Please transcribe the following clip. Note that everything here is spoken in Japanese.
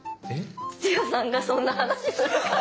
土屋さんがそんな話するから。